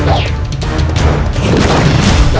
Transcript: aku harus menolongnya